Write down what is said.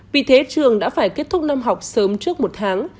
vì thế trường đã phải kết thúc năm học sớm trước một tháng